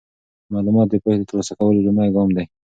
معلومات د پوهې د ترلاسه کولو لومړی ګام دی.